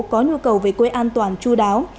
có nhu cầu về quê an toàn chú đáo